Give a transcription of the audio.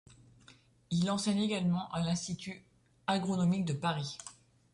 Il enseigne également à l’Institut agronomique de Paris.